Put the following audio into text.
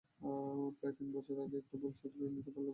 প্রায় তিন বছর আগের একটা ভুল শুধরে নিতে পারতেন রিয়াল মাদ্রিদ সভাপতি।